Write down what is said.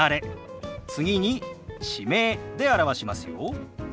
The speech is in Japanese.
次に地名で表しますよ。